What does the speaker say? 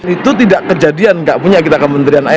itu tidak kejadian gak punya kita kementerian air